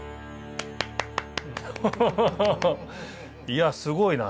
いやすごいな。